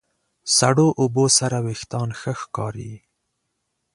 سړو اوبو سره وېښتيان ښه ښکاري.